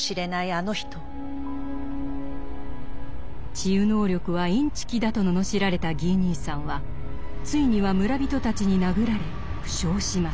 治癒能力はインチキだと罵られたギー兄さんはついには村人たちに殴られ負傷します。